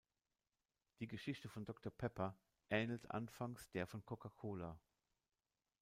Die Geschichte von Dr Pepper ähnelt anfangs der von Coca-Cola.